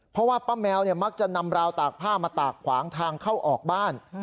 เพราะว่าป้าแมวมักจะนำราวตากผ้ามาตากขวางทางเข้าออกบ้าน